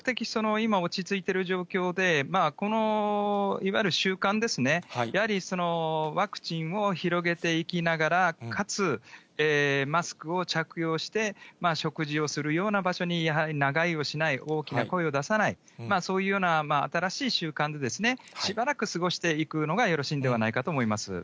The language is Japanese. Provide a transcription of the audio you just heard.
今、落ち着いている状況で、いわゆる習慣ですね、やはりワクチンを広げていきながら、かつマスクを着用して、食事をするような場所にやはり長居をしない、大きな声を出さない、そういうような新しい習慣で、しばらく過ごしていくのがよろしいんではないかと思います。